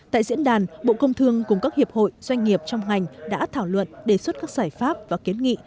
tại diễn đàn bộ công thương cùng các hiệp hội doanh nghiệp trong ngành đã thảo luận đề xuất các giải pháp và kiến nghị